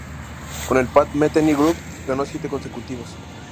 Con el Pat Metheny Group ganó siete consecutivos.